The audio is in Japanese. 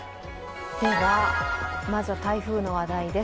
まずは台風の話題です。